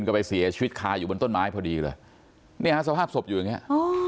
ก็ไปเสียชีวิตคาอยู่บนต้นไม้พอดีเลยเนี่ยฮะสภาพศพอยู่อย่างเงี้